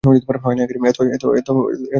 এত তাড়া কিসের?